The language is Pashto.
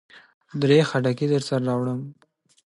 درې خټکي درسره راوړه.